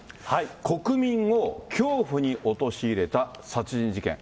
国民を恐怖に陥れた殺人事件。